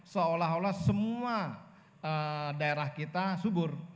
seolah olah semua daerah kita subur